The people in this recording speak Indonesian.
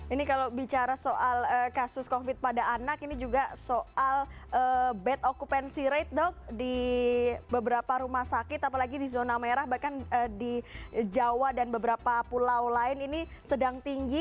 ini kalau bicara soal kasus covid pada anak ini juga soal bad occupancy rate dok di beberapa rumah sakit apalagi di zona merah bahkan di jawa dan beberapa pulau lain ini sedang tinggi